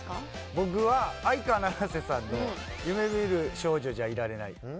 僕は相川七瀬さんの『夢見る少女じゃいられない』アイドル？